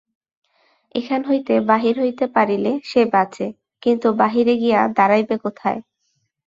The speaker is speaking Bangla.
এখান হইতে বাহির হইতে পারিলে সে বাঁচে, কিন্তু বাহিরে গিয়া দাঁড়াইবে কোথায়?